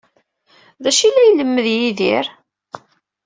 D acu ay la ilemmed Yidir?